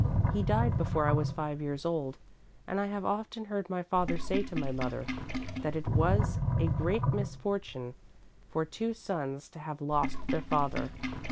He died before I was five years old, and I have often heard my father say to my mother that it was a great misfortune for the two sons to have lost their father.